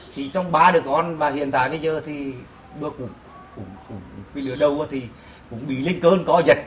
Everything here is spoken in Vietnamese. thì trong ba đứa con mà hiện tại bây giờ thì bữa cuối cuối lửa đầu thì cũng bị linh cơn có giật